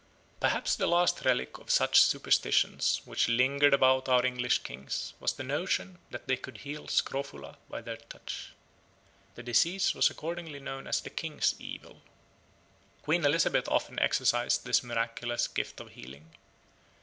Perhaps the last relic of such superstitions which lingered about our English kings was the notion that they could heal scrofula by their touch. The disease was accordingly known as the King's Evil. Queen Elizabeth often exercised this miraculous gift of healing.